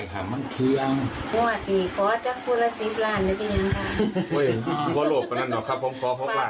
คุณผู้ชมค่ะลองดูนิดนึงไหมคะคุณผู้ชมค่ะ